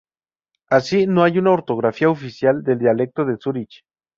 Así, no hay una ortografía oficial del dialecto de Zúrich.